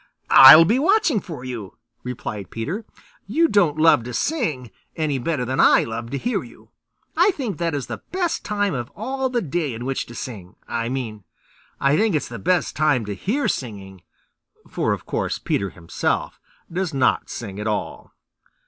"I'll be watching for you," replied Peter. "You don't love to sing any better than I love to hear you. I think that is the best time of all the day in which to sing. I mean, I think it's the best time to hear singing," for of course Peter himself does not sing at all.